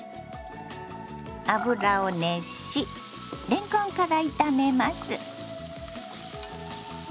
油を熱しれんこんから炒めます。